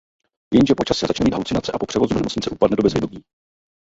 Jenže po čase začne mít halucinace a po převozu do nemocnice upadne do bezvědomí.